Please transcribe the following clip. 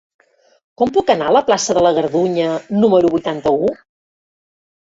Com puc anar a la plaça de la Gardunya número vuitanta-u?